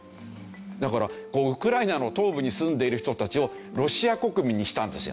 だからウクライナの東部に住んでいる人たちをロシア国民にしたんですよ。